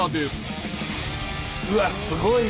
うわっすごいな。